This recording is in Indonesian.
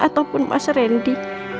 ataupun mas randy